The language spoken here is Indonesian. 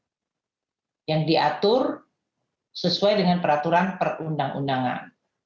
yang diatur sesuai dengan peraturan perundang undangan